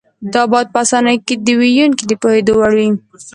دا باید په اسانۍ د ویونکي د پوهېدو وړ وي.